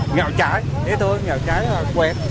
nghèo trái thế thôi nghèo trái quét